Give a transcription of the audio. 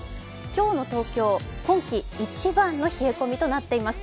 今日の東京、今季一番の冷え込みとなっています。